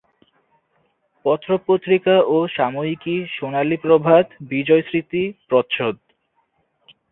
পত্র-পত্রিকা ও সাময়িকী সোনালী প্রভাত, বিজয় স্মৃতি, প্রচ্ছদ।